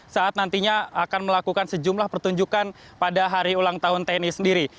saat nantinya akan melakukan sejumlah pertunjukan pada hari ulang tahun tni sendiri